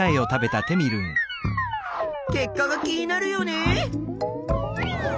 結果が気になるよね！